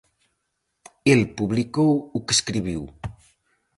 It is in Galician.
El publicou o que escribiu.